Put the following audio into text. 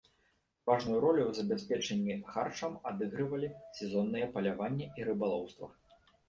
Важную ролю ў забеспячэнні харчам адыгрывалі сезонныя паляванне і рыбалоўства.